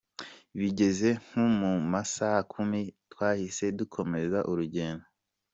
Bigeze nko mu ma saa kumi twahitse dukomeza urugendo.